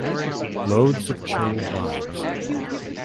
Loads of chill vibes.